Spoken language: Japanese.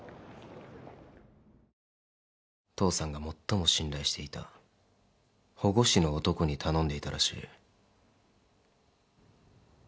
父さんが最も信頼していた保護司の男に頼んでいたらしい。